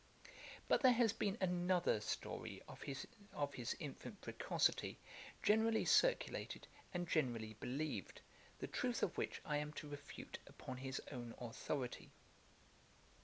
But there has been another story of his infant precocity generally circulated, and generally believed, the truth of which I am to refute upon his own authority.